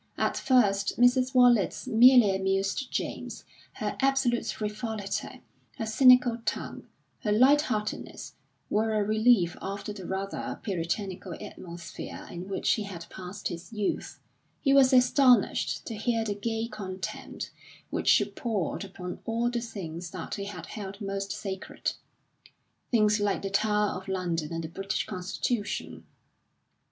At first Mrs. Wallace merely amused James. Her absolute frivolity, her cynical tongue, her light heartedness, were a relief after the rather puritanical atmosphere in which he had passed his youth; he was astonished to hear the gay contempt which she poured upon all the things that he had held most sacred things like the Tower of London and the British Constitution.